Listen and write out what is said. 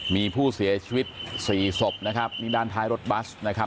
มีผู้เสียชีวิตสี่ศพนะครับนี่ด้านท้ายรถบัสนะครับ